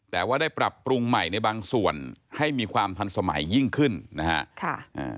แต่ว่าได้ปรับปรุงใหม่ในบางส่วนให้มีความทันสมัยยิ่งขึ้นนะฮะ